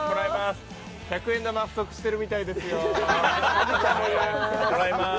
百円玉が不足しているみたいですよ。